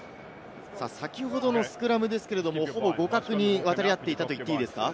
先ほどのスクラムですけれど、ほぼ互角に渡り合っていたと言っていいですか？